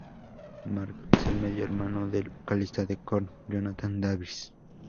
Mark es el medio hermano del vocalista de Korn, Jonathan Davis.